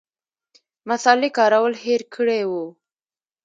مصالې کارول هېر کړي وو.